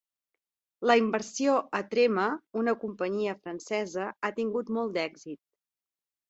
La inversió a Trema, una companyia francesa, ha tingut molt d"èxit.